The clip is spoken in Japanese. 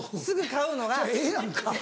うんええやんか。